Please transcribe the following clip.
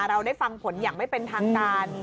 เราได้ฟังผลอย่างไม่เป็นทางการ